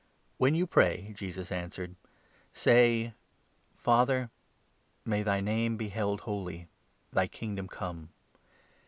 " When you pray," Jesus answered, " say — 2 ' Father, May thy name be held holy, thy Kingdom come.